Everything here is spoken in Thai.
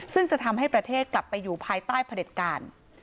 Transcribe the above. ซึ่งจะทำให้ประเทศกลับไปอยู่ภายใต้พระเด็จการ